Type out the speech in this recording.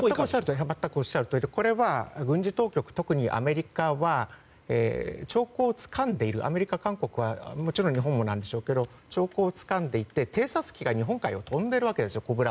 全くおっしゃる通りでこれは特にアメリカは兆候をつかんでいてアメリカ、韓国はもちろん日本もでしょうけど兆候をつかんでいて偵察機が日本海を飛んでいるわけです。